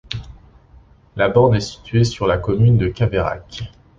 La borne est située sur la commune de Caveirac.